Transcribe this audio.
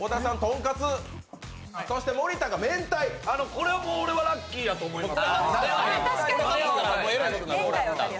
これは俺、ラッキーやと思います。